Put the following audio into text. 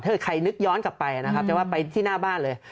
ถ้าใครนึกย้อนกลับไปนะครับจะว่าไปที่หน้าบ้านเลย